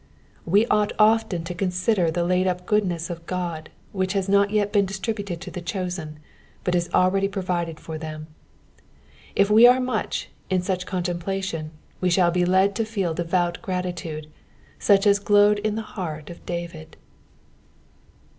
We ought often to consider the laid up goodness of Qod which has not yet been distributed to the chosen, but is already pro vided for them : if we are much in such contemplations, we shall be led to feel devout gratitude, such as glowed in the heart of David.